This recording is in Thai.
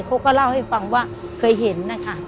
เขาก็เล่าให้ฟังว่าเคยเห็นนะคะ